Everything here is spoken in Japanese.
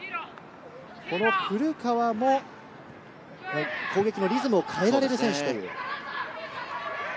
この古川も攻撃のリズムを変えられる選手。